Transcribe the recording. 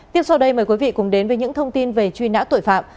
tiếp sau đây mời quý vị cùng đến với những thông tin về truy nã tội phạm